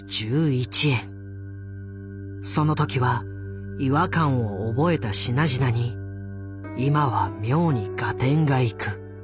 その時は違和感を覚えた品々に今は妙に合点がいく。